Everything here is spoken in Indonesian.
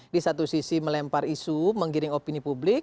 di satu sisi melempar isu menggiring opini publik